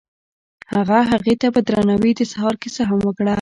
هغه هغې ته په درناوي د سهار کیسه هم وکړه.